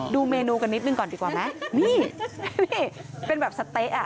ดูเมนูกันนิดหนึ่งก่อนดีกว่าไหมนี่นี่เป็นแบบสะเต๊ะอ่ะ